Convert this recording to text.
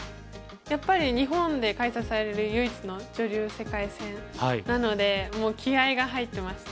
やっぱり日本で開催される唯一の女流世界戦なのでもう気合いが入ってました。